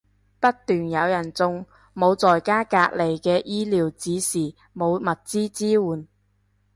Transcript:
不斷有人中，冇在家隔離嘅醫療指示，冇物資支援